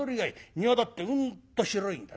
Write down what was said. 庭だってうんと広いんだ。